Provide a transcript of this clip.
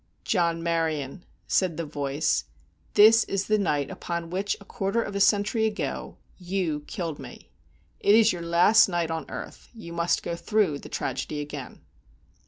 "John Maryon," said the voice, "this is the night upon which, a quarter of a century ago, you killed me. It is your last night on earth. You must go through the tragedy again."